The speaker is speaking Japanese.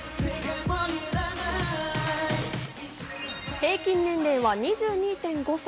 平均年齢は２２．５歳。